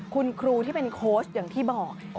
คุณครูที่เป็นโค้ชอย่างที่บอก